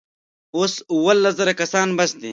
اوس اوولس زره کسان بس دي.